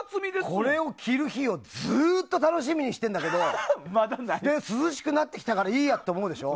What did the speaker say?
これを着る日をずっと楽しみにしてるんだけど涼しくなってきたからいいやって思うでしょ。